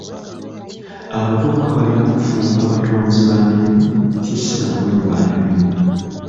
Abavubuka balina kufuuka batonzi ba mirimu so si banoonyi ba mirimu.